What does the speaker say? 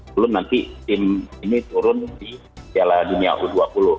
belum nanti tim ini turun di piala dunia u dua puluh